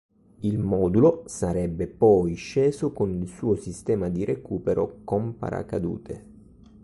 Il modulo sarebbe poi sceso con il suo sistema di recupero con paracadute.